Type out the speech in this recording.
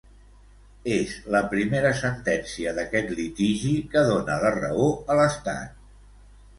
És la primera sentència d'aquest litigi que dona la raó a l'Estat.